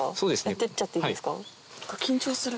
やってっちゃっていいですか？